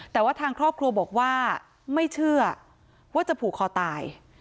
แต่ว่าทางครอบครัวบอกว่าไม่เชื่อว่าจะผูกคอตาย